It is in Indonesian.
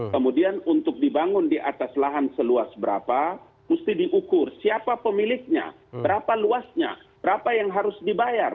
kemudian untuk dibangun di atas lahan seluas berapa mesti diukur siapa pemiliknya berapa luasnya berapa yang harus dibayar